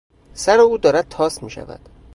سر او دارد تاس میشود.